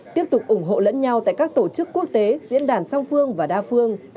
tiếp tục ủng hộ lẫn nhau tại các tổ chức quốc tế diễn đàn song phương và đa phương